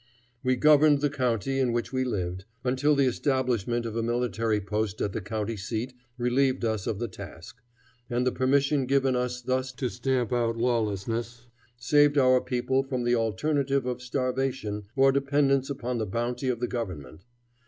We governed the county in which we lived, until the establishment of a military post at the county seat relieved us of the task, and the permission given us thus to stamp out lawlessness saved our people from the alternative of starvation or dependence upon the bounty of the government.